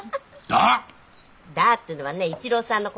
ダッドっていうのはね一朗さんのこと。